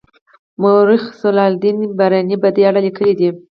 مورخ ضیاالدین برني په دې اړه لیکلي دي.